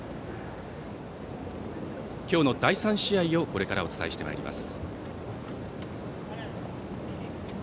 今日の第３試合をこれからお伝えしてまいります。